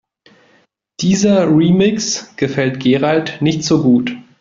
Dieser Remix gefällt Gerald nicht so gut.